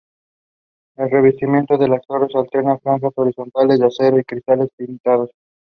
El revestimiento de la torre alterna franjas horizontales de acero y cristales tintados.